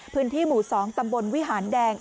พื้นที่หมู่๒ตำบลวิหารแดง